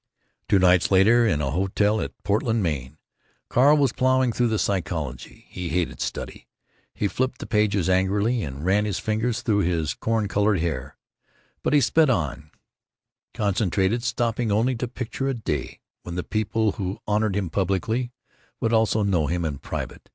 Two nights later, in a hotel at Portland, Maine, Carl was plowing through the Psychology. He hated study. He flipped the pages angrily, and ran his fingers through his corn colored hair. But he sped on, concentrated, stopping only to picture a day when the people who honored him publicly would also know him in private.